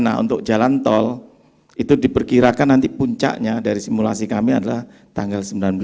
nah untuk jalan tol itu diperkirakan nanti puncaknya dari simulasi kami adalah tanggal sembilan belas